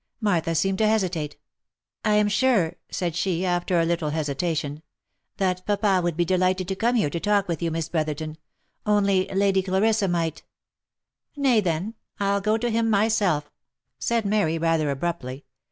Martha seemed to hesitate. "I am sure," said she, after a little hesitation, " that papa would be delighted to come here to talk with you, Miss Brotherton — only Lady Clarissa might —"" Nay, then, I'll go to him myself," said Mary, rather abruptly.